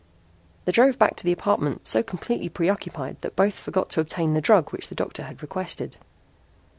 They drove back to the apartment so completely preoccupied that both forgot to obtain the drug which the doctor had requested.